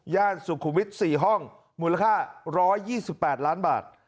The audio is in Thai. สุขุมวิทย์๔ห้องมูลค่า๑๒๘ล้านบาท